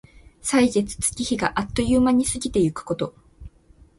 歳月、月日があっという間に過ぎてゆくこと。